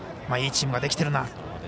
いいチームができているなと。